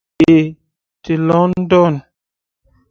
It was in the Diocese of London.